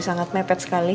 terima kasih banyak bu